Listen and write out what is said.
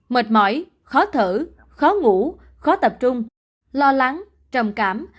mệt mỏi khó thở khó ngủ khó tập trung lo lắng trầm cảm